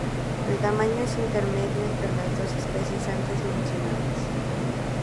El tamaño es intermedio entre las dos especies antes mencionadas.